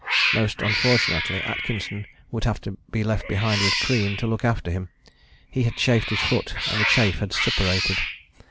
Most unfortunately Atkinson would have to be left behind with Crean to look after him. He had chafed his foot, and the chafe had suppurated.